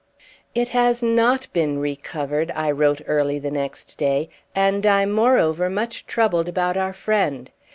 "It has not been recovered," I wrote early the next day, "and I'm moreover much troubled about our friend.